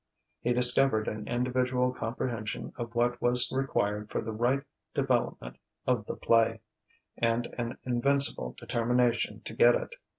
He discovered an individual comprehension of what was required for the right development of the play, and an invincible determination to get it.